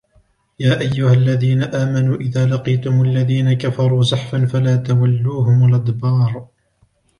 يا أيها الذين آمنوا إذا لقيتم الذين كفروا زحفا فلا تولوهم الأدبار